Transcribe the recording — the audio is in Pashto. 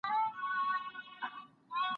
څېړونکی باید له موادو څخه منطقي پایلي ترلاسه کړي.